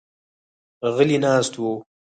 غلي ناست وو.